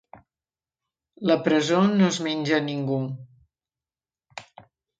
La presó no es menja ningú.